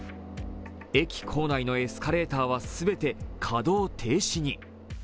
駅構内のエスカレーターは全て稼働停止に。